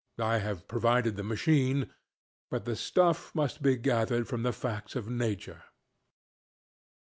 I have provided the machine, but the stuff must be gathered from the facts of nature.